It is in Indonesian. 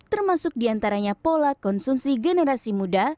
termasuk diantaranya pola konsumsi generasi muda